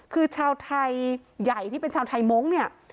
คือชาวไทยใหญ่ที่เป็นชาวไทยมงค์เนี่ย